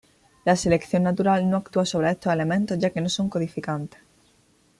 La selección natural no actúa sobre estos elementos ya que no son codificantes.